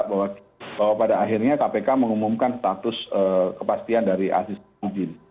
bahwa pada akhirnya kpk mengumumkan status kepastian dari aziz samuddin